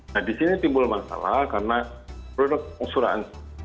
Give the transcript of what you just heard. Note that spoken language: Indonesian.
nah di sini timbul masalah karena produk asuransi